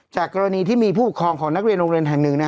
กรณีที่มีผู้ปกครองของนักเรียนโรงเรียนแห่งหนึ่ง